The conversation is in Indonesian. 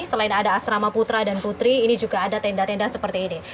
selain ada asrama putra dan putri ini juga ada tenda tenda seperti ini